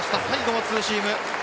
最後もツーシーム。